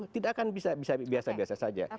tidak akan bisa biasa biasa saja